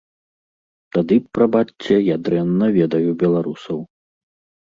Тады, прабачце, я дрэнна ведаю беларусаў.